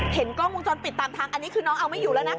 เห็นกล้องวงจรปิดตามทางอันนี้คือน้องเอาไม่อยู่แล้วนะ